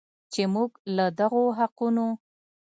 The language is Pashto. چې موږ له دغو حقونو